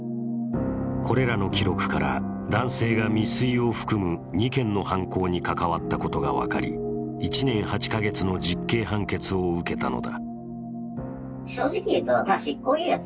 これからの記録から男性が未遂を含む２件の犯行に関わったことが分かり１年８か月の実刑判決を受けたのだ。